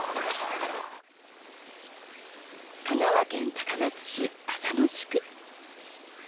香川県高松市浅野地区。